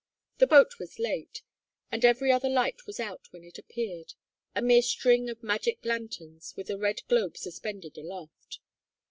The boat was late, and every other light was out when it appeared, a mere string of magic lanterns with a red globe suspended aloft.